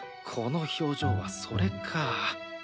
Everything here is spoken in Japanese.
この表情はそれか。